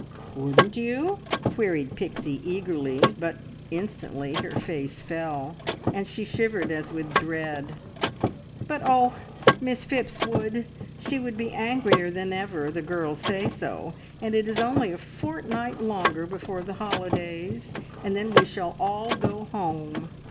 "Wouldn't you?" queried Pixie eagerly, but instantly her face fell, and she shivered as with dread. "But, oh, Miss Phipps would! She would be angrier than ever! The girls say so, and it is only a fortnight longer before the holidays, and then we shall all go home.